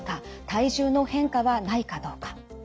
体重の変化はないかどうか。